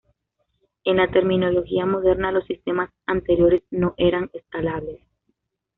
En la terminología moderna, los sistemas anteriores no eran "escalables".